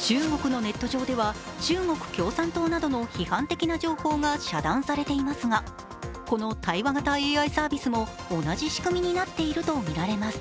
中国のネット上では、中国共産党などの批判的な情報が遮断されていますがこの対話型ＡＩサービスも同じ仕組みになっているとみられます。